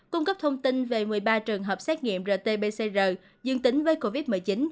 cung cấp thông tin về một mươi ba trường hợp xét nghiệm rt pcr dương tính với covid một mươi chín